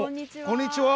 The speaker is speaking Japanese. こんにちは。